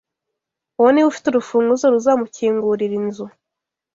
Uwo ni we ufite urufunguzo ruzamukingurira inzu